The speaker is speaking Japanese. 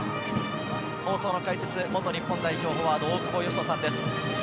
解説は元日本代表フォワード・大久保嘉人さんです。